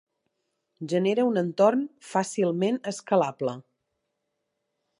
Genera un entorn fàcilment escalable.